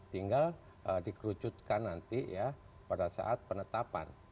tinggal dikerucutkan nanti ya pada saat penetapan